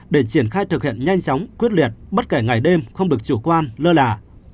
để triển khai thực hiện nhanh chóng quyết liệt bất kể ngày đêm không được chủ quan lơ là